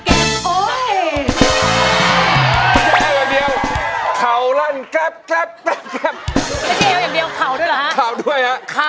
เอวลั่นแก๊บเอวลั่นก๊อบก๊อบก๊อบก๊อบก๊อบก๊อบ